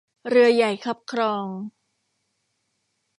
เรือใหญ่คับคลอง